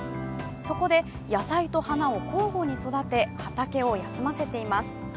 そこで野菜と花と交互に育て畑を休ませています。